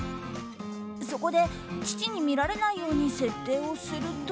そこで父に見られないように設定をすると。